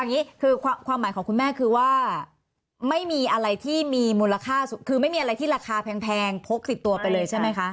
อย่างนี้คือความหมายของคุณแม่คือว่าไม่มีอะไรที่มีมูลค่าคือไม่มีอะไรที่ราคาแพงพกติดตัวไปเลยใช่ไหมคะ